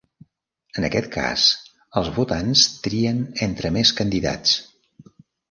En aquest cas, els votants trien entre més candidats.